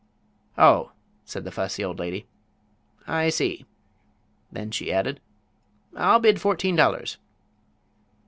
"Oh," said the fussy old lady, "I see." Then she added: "I'll bid fourteen dollars."